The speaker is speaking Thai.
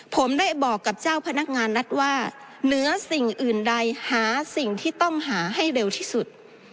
ผมได้บอกกับเจ้าพนักงานรัฐว่าเหนือสิ่งอื่นใดหาสิ่งที่ต้องหาให้เร็วที่สุด